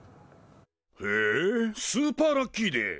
へえスーパーラッキーデー！